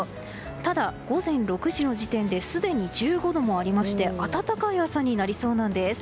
ただ、午前６時の時点ですでに１５度もありまして暖かい朝になりそうなんです。